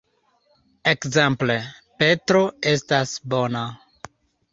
Ekzemple: Petro estas bona.